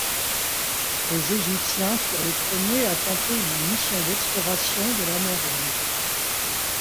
Les Égyptiens furent les premiers à tenter une mission d’exploration de la mer Rouge.